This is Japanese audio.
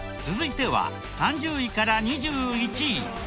続いては３０位から２１位。